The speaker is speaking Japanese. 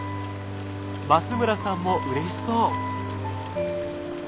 増村さんもうれしそう。